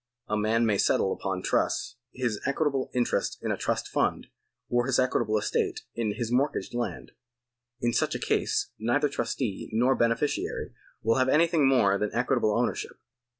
A man may settle upon trust his equitable interest in a trust fvind, or his equitable estate in his mortgaged land. In such a case neither trustee nor beneficiary will have anything more than equitable ownership.